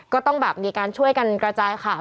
ก็ต้องแบบมีการช่วยกันกระจายข่าว